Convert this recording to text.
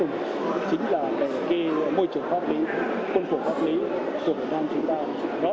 giao cố cho quốc tế